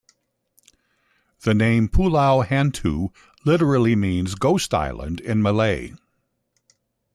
The name Pulau Hantu literally means "Ghost Island" in Malay.